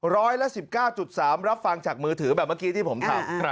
ร้อยละ๑๙๓รับฟังจากมือถือแบบเมื่อกี้ที่ผมถาม